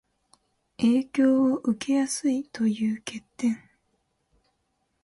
影響を受けやすいという欠点